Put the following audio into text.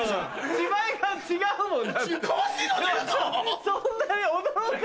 芝居が違うもんだって。